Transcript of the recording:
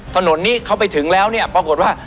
ถนนนี้เขาไปถึงแล้วเนี่ยปรากฏว่า